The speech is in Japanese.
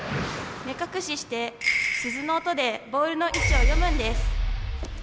目隠しして鈴の音でボールの位置を読むんです。